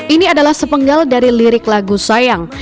ini adalah sepenggal dari lirik lagu sayang